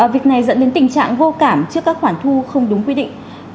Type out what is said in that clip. việc này dẫn đến tình trạng vô cảm trước các khoản thu không đúng quy định